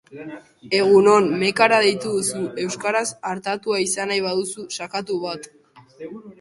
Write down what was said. Egunon, mekara deitu duzu, euskaraz artatua izan nahi baduzu, sakatu bat.